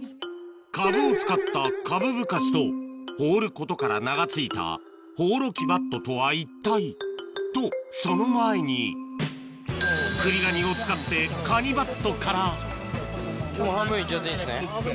かぶを使ったかぶぶかしと放ることから名が付いたほうろきばっととは一体？とその前にクリガニを使って半分いっちゃっていいんですね。